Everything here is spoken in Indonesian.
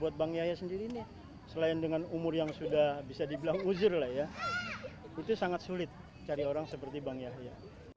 buat bang yahya sendiri nih selain dengan umur yang sudah bisa dibilang uzer lah ya itu sangat sulit cari orang seperti bang yahya